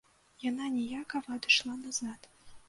Яна ніякава адышла назад.